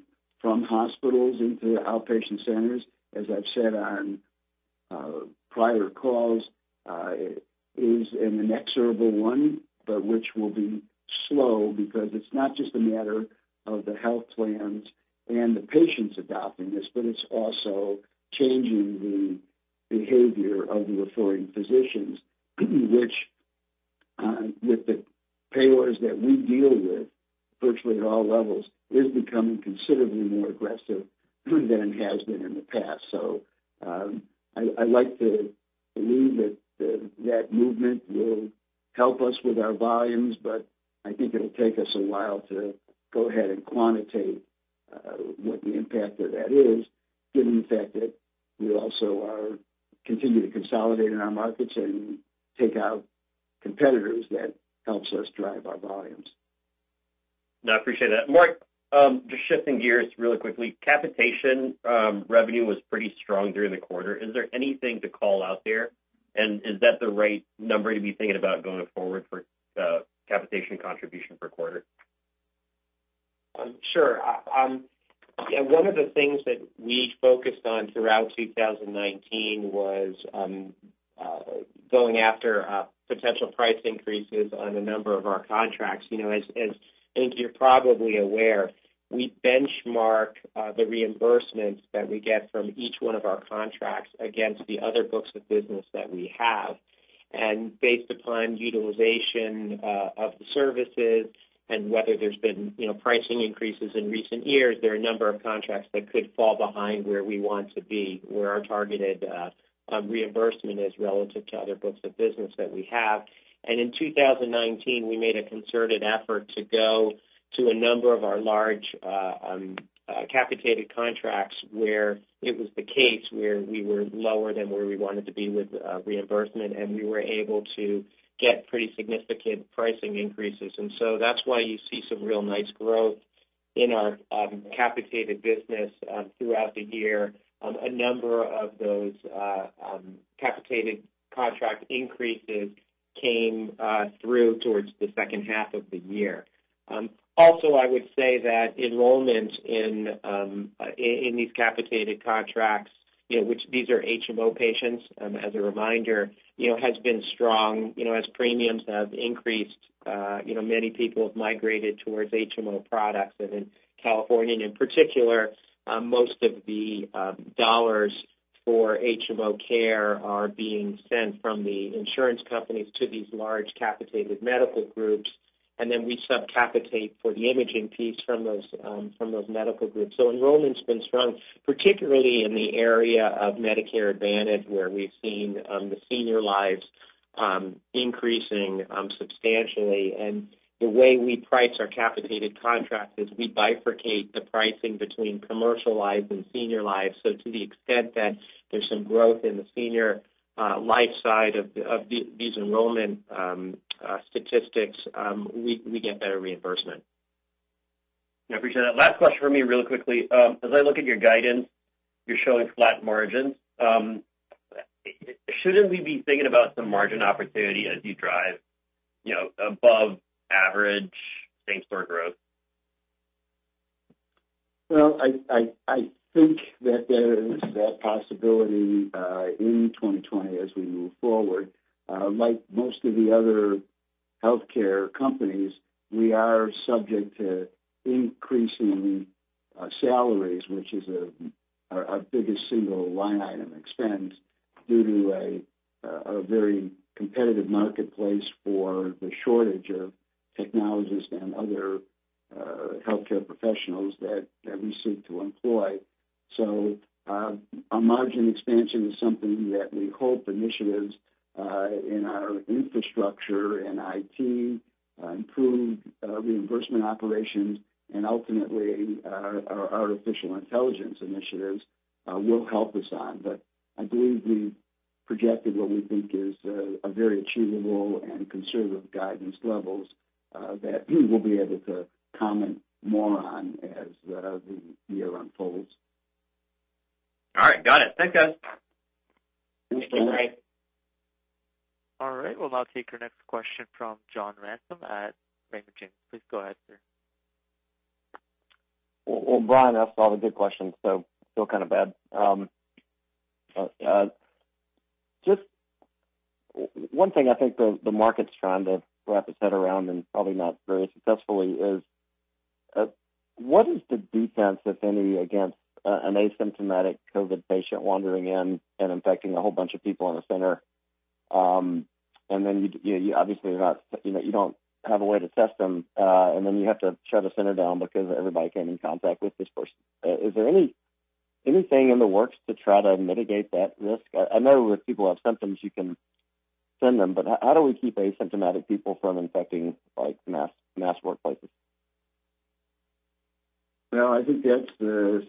from hospitals into outpatient centers, as I've said on prior calls, is an inexorable one, but which will be slow because it's not just a matter of the health plans and the patients adopting this, but it's also changing the behavior of the referring physicians, which with the payers that we deal with virtually at all levels, is becoming considerably more aggressive than it has been in the past. I like to believe that that movement will help us with our volumes, but I think it'll take us a while to go ahead and quantitate what the impact of that is, given the fact that we also are continuing to consolidate in our markets and take out competitors. That helps us drive our volumes. No, I appreciate that. Mark, just shifting gears really quickly. Capitation revenue was pretty strong during the quarter. Is there anything to call out there? Is that the right number to be thinking about going forward for capitation contribution per quarter? Sure. One of the things that we focused on throughout 2019 was going after potential price increases on a number of our contracts. I think you're probably aware, we benchmark the reimbursements that we get from each one of our contracts against the other books of business that we have. Based upon utilization of the services and whether there's been pricing increases in recent years, there are a number of contracts that could fall behind where we want to be, where our targeted reimbursement is relative to other books of business that we have. In 2019, we made a concerted effort to go to a number of our large capitated contracts, where it was the case where we were lower than where we wanted to be with reimbursement, and we were able to get pretty significant pricing increases. That's why you see some real nice growth in our capitated business throughout the year. A number of those capitated contract increases came through towards the second half of the year. I would say that enrollment in these capitated contracts, which these are HMO patients, as a reminder, has been strong. As premiums have increased, many people have migrated towards HMO products. In California in particular, most of the dollars for HMO care are being sent from the insurance companies to these large capitated medical groups, and then we sub-capitate for the imaging piece from those medical groups. Enrollment's been strong, particularly in the area of Medicare Advantage, where we've seen the senior lives increasing substantially. The way we price our capitated contract is we bifurcate the pricing between commercial lives and senior lives. To the extent that there's some growth in the senior life side of these enrollment statistics, we get better reimbursement. I appreciate that. Last question for me really quickly. As I look at your guidance, you're showing flat margins. Shouldn't we be thinking about some margin opportunity as you drive above average same-store growth? Well, I think that there is that possibility in 2020 as we move forward. Like most of the other healthcare companies, we are subject to increasing salaries, which is Our biggest single line item expense due to a very competitive marketplace for the shortage of technologists and other healthcare professionals that we seek to employ. Our margin expansion is something that we hope initiatives in our infrastructure and IT, improved reimbursement operations, and ultimately, our artificial intelligence initiatives will help us on. I believe we've projected what we think is a very achievable and conservative guidance levels that we'll be able to comment more on as the year unfolds. All right. Got it. Thanks, guys. Thanks, Brian. All right. We'll now take our next question from John Ransom at Raymond James. Please go ahead, sir. Well, Brian asked all the good questions, so feel kind of bad. Just one thing I think the market's trying to wrap its head around, and probably not very successfully, is what is the defense, if any, against an asymptomatic COVID patient wandering in and infecting a whole bunch of people in a center? You obviously don't have a way to test them, and then you have to shut the center down because everybody came in contact with this person. Is there anything in the works to try to mitigate that risk? I know if people have symptoms, you can send them, but how do we keep asymptomatic people from infecting mass workplaces? Well, I think that's the,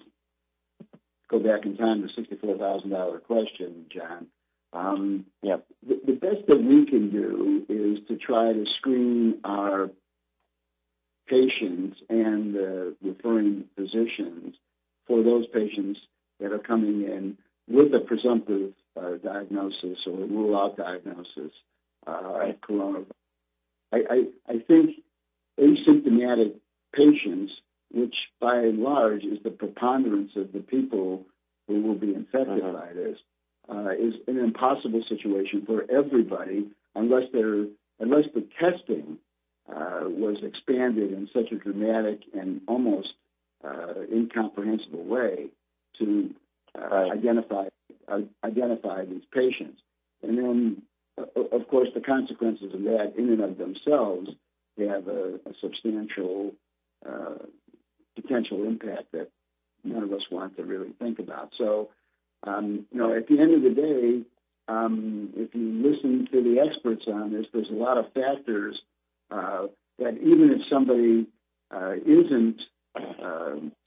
go back in time, the $64,000 question, John. Yep. The best that we can do is to try to screen our patients and the referring physicians for those patients that are coming in with a presumptive diagnosis or a rule-out diagnosis of coronavirus. I think asymptomatic patients, which by and large is the preponderance of the people who will be infected by this, is an impossible situation for everybody, unless the testing was expanded in such a dramatic and almost incomprehensible way to identify these patients. Then, of course, the consequences of that in and of themselves, they have a substantial potential impact that none of us want to really think about. At the end of the day, if you listen to the experts on this, there's a lot of factors that even if somebody isn't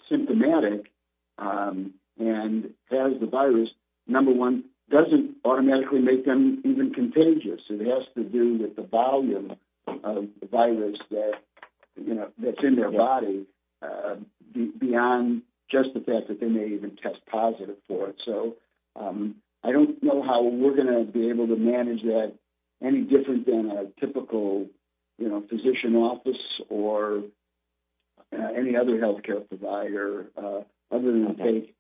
symptomatic and has the virus, number one, doesn't automatically make them even contagious. It has to do with the volume of the virus that's in their body, beyond just the fact that they may even test positive for it. I don't know how we're going to be able to manage that any different than a typical physician office or any other healthcare provider, other than to take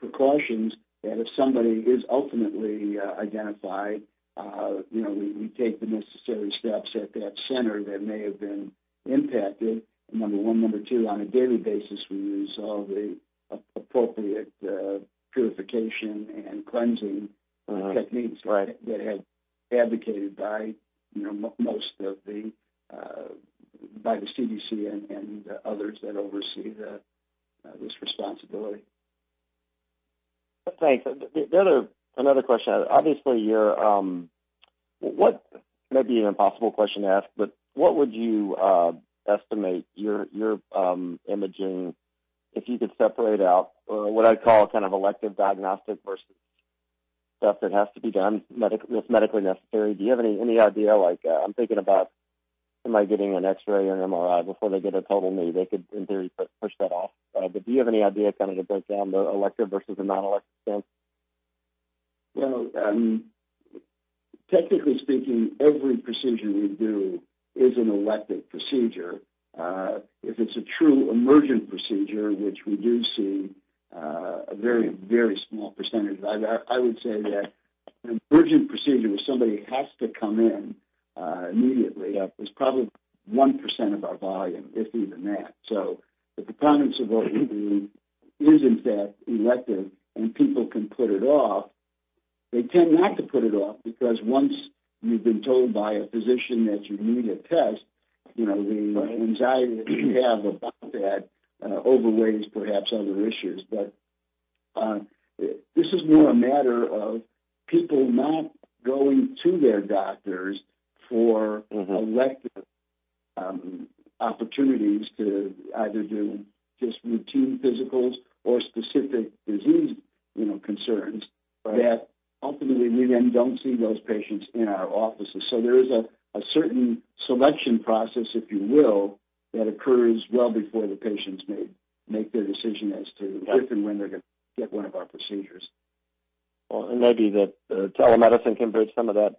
precautions that if somebody is ultimately identified, we take the necessary steps at that center that may have been impacted, number one. Number two, on a daily basis, we use all the appropriate purification and cleansing techniques. Right that have advocated by the CDC and others that oversee this responsibility. Thanks. Another question. It may be an impossible question to ask, but what would you estimate your imaging, if you could separate out what I call kind of elective diagnostic versus stuff that has to be done, it's medically necessary. Do you have any idea? I'm thinking about, am I getting an X-ray or an MRI before they get a total knee? They could, in theory, push that off. Do you have any idea, kind of to break down the elective versus the non-elective sense? Well, technically speaking, every procedure we do is an elective procedure. If it's a true emergent procedure, which we do see a very small percentage. I would say that an urgent procedure where somebody has to come in immediately, is probably 1% of our volume, if even that. The preponderance of what we do is, in fact, elective, and people can put it off. They tend not to put it off because once you've been told by a physician that you need a test, the anxiety that you have about that overweighs perhaps other issues. This is more a matter of people not going to their doctors for elective opportunities to either do just routine physicals or specific disease concerns. Right that ultimately, we then don't see those patients in our offices. There is a certain selection process, if you will, that occurs well before the patients may make their decision as to if and when they're going to get one of our procedures. Well, maybe the telemedicine can bridge some of that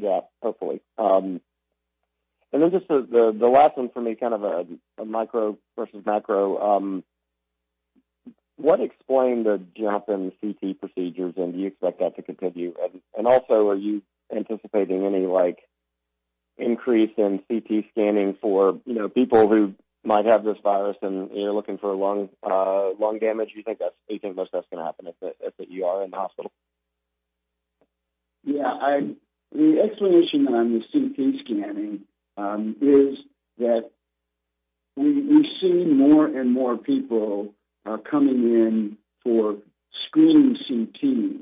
gap, hopefully. Just the last one for me, kind of a micro versus macro. What explained the jump in CT procedures, and do you expect that to continue? Are you anticipating any increase in CT scanning for people who might have this virus and you're looking for lung damage. Do you think most of that's going to happen at the ER in the hospital? Yeah. The explanation on the CT scanning is that we see more and more people are coming in for screening CT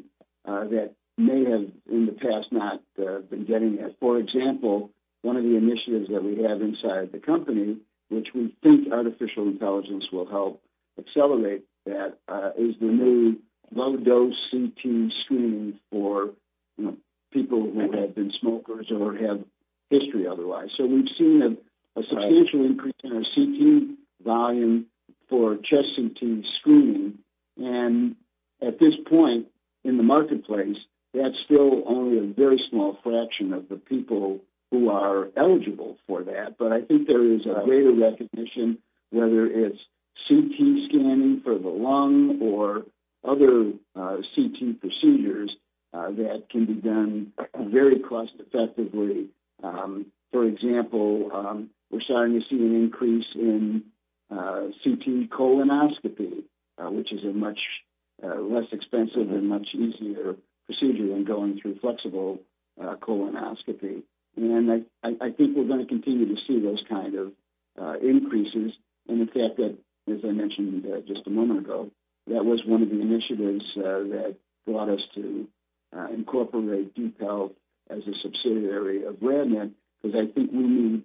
that may have, in the past, not been getting it. For example, one of the initiatives that we have inside the company, which we think artificial intelligence will help accelerate that, is the new low-dose CT screening for people who have been smokers or have history otherwise. We've seen a substantial increase in our CT volume for chest CT screening. At this point in the marketplace, that's still only a very small fraction of the people who are eligible for that. I think there is a greater recognition, whether it's CT scanning for the lung or other CT procedures that can be done very cost effectively. For example, we're starting to see an increase in CT colonography, which is a much less expensive and much easier procedure than going through flexible colonoscopy. I think we're going to continue to see those kind of increases. The fact that, as I mentioned just a moment ago, that was one of the initiatives that brought us to incorporate DeepHealth as a subsidiary of RadNet, because I think we need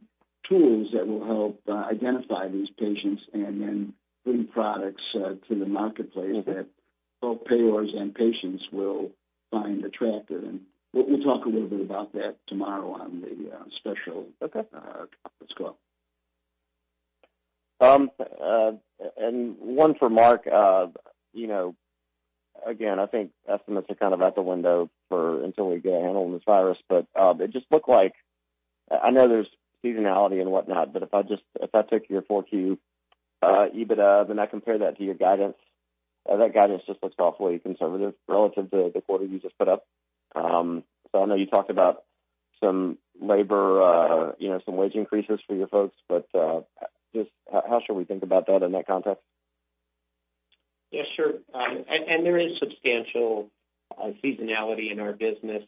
tools that will help identify these patients and then bring products to the marketplace that both payers and patients will find attractive. We'll talk a little bit about that tomorrow on the special. Okay conference call. One for Mark. Again, I think estimates are kind of out the window for until we get a handle on this virus. It just looked like, I know there's seasonality and whatnot, but if I took your four Q EBITDA, then I compare that to your guidance, that guidance just looks awfully conservative relative to the quarter you just put up. I know you talked about some labor, some wage increases for your folks, but just how should we think about that in that context? Yeah, sure. There is substantial seasonality in our business.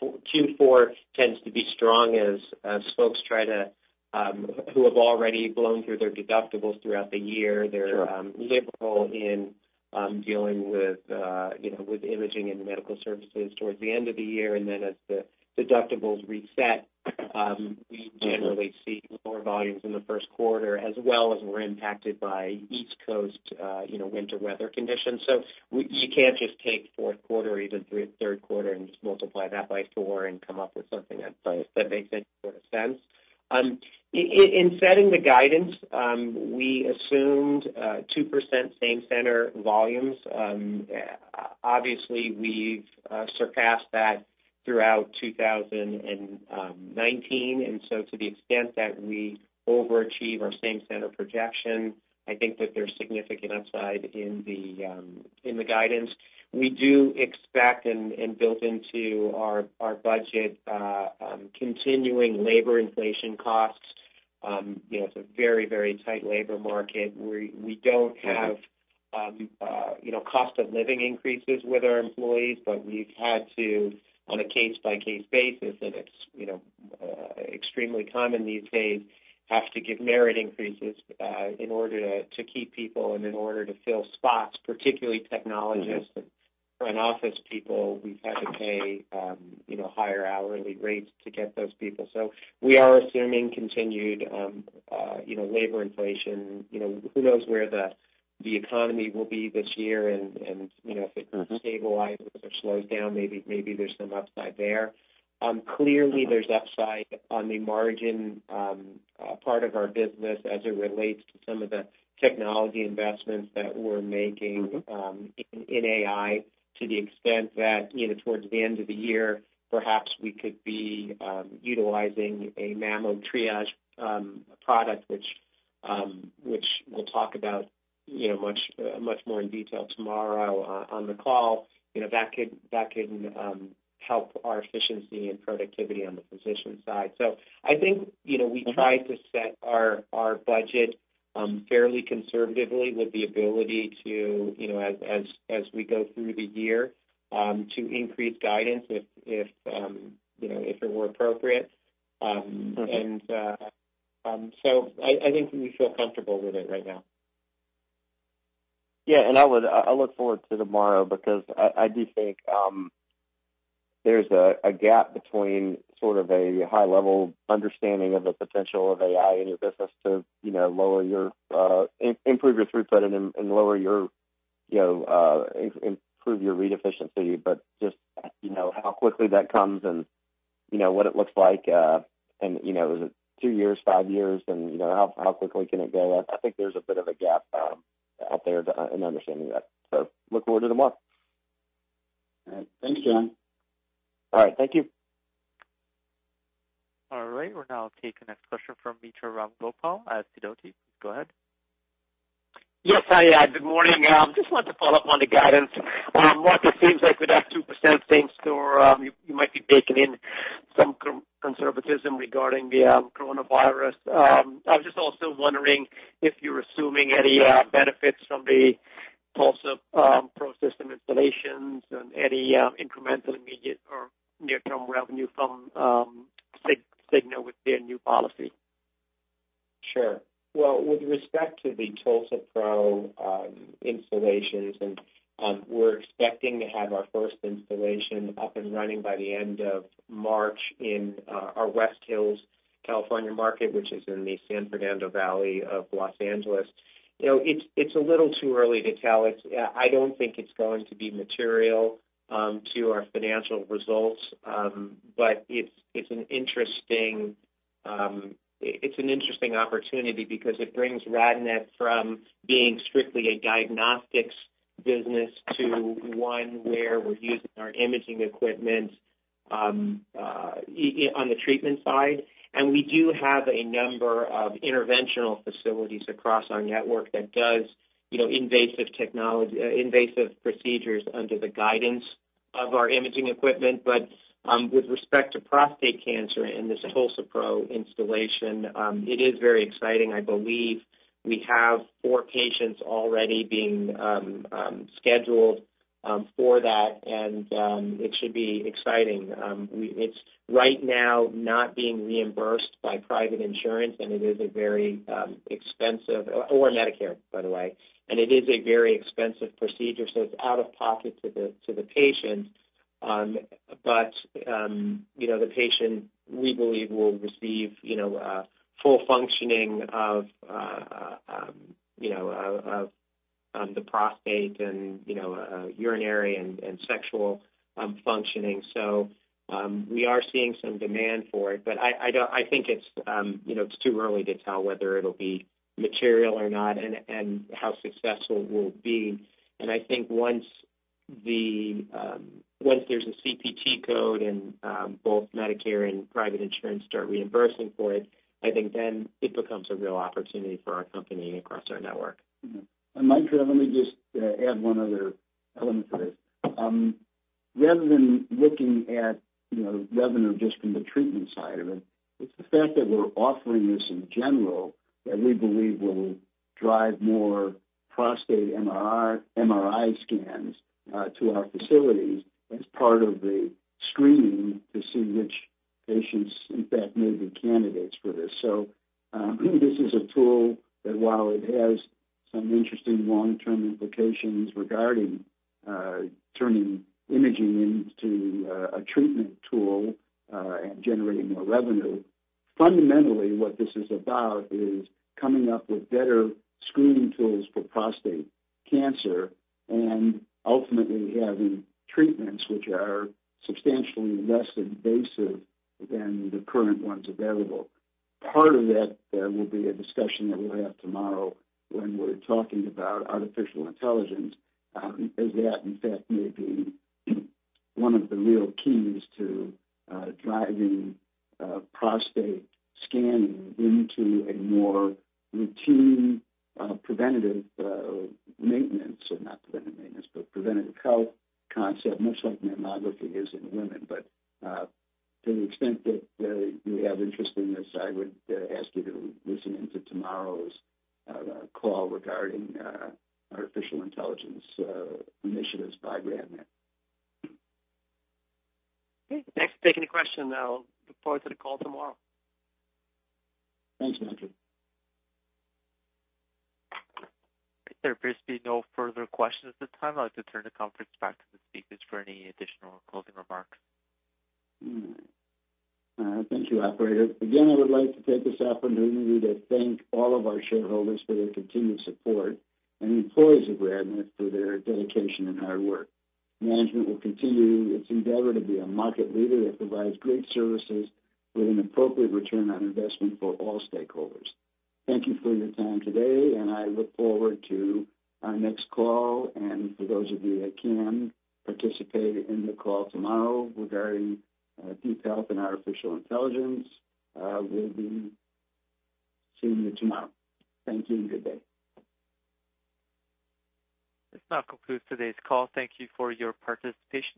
Q4 tends to be strong as folks who have already blown through their deductibles throughout the year. Sure They're liberal in dealing with imaging and medical services towards the end of the year. As the deductibles reset, we generally see lower volumes in the first quarter, as well as we're impacted by East Coast winter weather conditions. You can't just take fourth quarter, even third quarter, and just multiply that by four and come up with something that makes sort of sense. In setting the guidance, we assumed 2% same center volumes. Obviously, we've surpassed that throughout 2019, and so to the extent that we overachieve our same center projection, I think that there's significant upside in the guidance. We do expect and build into our budget, continuing labor inflation costs. It's a very tight labor market. We don't have cost of living increases with our employees, but we've had to, on a case-by-case basis, and it's extremely common these days, have to give merit increases in order to keep people and in order to fill spots, particularly technologists and front office people, we've had to pay higher hourly rates to get those people. We are assuming continued labor inflation. Who knows where the economy will be this year and if it stabilizes or slows down, maybe there's some upside there. Clearly, there's upside on the margin part of our business as it relates to some of the technology investments that we're making in AI to the extent that towards the end of the year, perhaps we could be utilizing a mammography triage product, which we'll talk about much more in detail tomorrow on the call. That can help our efficiency and productivity on the physician side. I think we try to set our budget fairly conservatively with the ability to, as we go through the year, to increase guidance if it were appropriate. Okay. I think we feel comfortable with it right now. Yeah, I look forward to tomorrow because I do think there's a gap between sort of a high level understanding of the potential of AI in your business to improve your throughput and improve your read efficiency. Just how quickly that comes and what it looks like, and is it two years, five years, and how quickly can it go up? I think there's a bit of a gap out there in understanding that. Look forward to tomorrow. All right. Thanks, John. All right. Thank you. All right. We'll now take the next question from Mitra Ramgopal at Sidoti. Go ahead. Yes, good morning. I just wanted to follow up on the guidance. Market seems like we're down 2% thanks to you might be baking in some conservatism regarding the coronavirus. I was just also wondering if you're assuming any benefits from the TULSA-PRO system installations and any incremental, immediate, or near-term revenue from Cigna with their new policy. Sure. Well, with respect to the TULSA-PRO installations, we're expecting to have our first installation up and running by the end of March in our West Hills, California market, which is in the San Fernando Valley of Los Angeles. It's a little too early to tell. I don't think it's going to be material to our financial results. It's an interesting opportunity because it brings RadNet from being strictly a diagnostics business to one where we're using our imaging equipment on the treatment side. We do have a number of interventional facilities across our network that does invasive procedures under the guidance of our imaging equipment. With respect to prostate cancer and this TULSA-PRO installation, it is very exciting. I believe we have four patients already being scheduled for that. It should be exciting. It's right now not being reimbursed by private insurance, and it is a very expensive, or Medicare, by the way. It is a very expensive procedure, so it's out of pocket to the patient. The patient, we believe, will receive full functioning of the prostate and urinary and sexual functioning. We are seeing some demand for it. I think it's too early to tell whether it'll be material or not and how successful we'll be. I think once there's a CPT code and both Medicare and private insurance start reimbursing for it, I think then it becomes a real opportunity for our company and across our network. Mark, let me just add one other element to this. Rather than looking at revenue just from the treatment side of it's the fact that we're offering this in general that we believe will drive more prostate MRI scans to our facilities as part of the screening to see which patients, in fact, may be candidates for this. This is a tool that while it has some interesting long-term implications regarding turning imaging into a treatment tool and generating more revenue, fundamentally, what this is about is coming up with better screening tools for prostate cancer and ultimately having treatments which are substantially less invasive than the current ones available. Part of that there will be a discussion that we'll have tomorrow when we're talking about artificial intelligence, as that in fact may be one of the real keys to driving prostate scanning into a more routine preventative maintenance, or not preventative maintenance, but preventative health concept, much like mammography is in women. To the extent that you have interest in this, I would ask you to listen in to tomorrow's call regarding artificial intelligence initiatives by RadNet. Okay, thanks for taking the question. I'll look forward to the call tomorrow. Thanks, Mitra. If there appears to be no further questions at this time, I'd like to turn the conference back to the speakers for any additional closing remarks. Thank you, operator. Again, I would like to take this opportunity to thank all of our shareholders for their continued support and employees of RadNet for their dedication and hard work. Management will continue its endeavor to be a market leader that provides great services with an appropriate return on investment for all stakeholders. Thank you for your time today. I look forward to our next call. For those of you that can participate in the call tomorrow regarding DeepHealth and artificial intelligence, we'll be seeing you tomorrow. Thank you and good day. This now concludes today's call. Thank you for your participation.